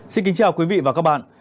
xin kính chào quý vị và các bạn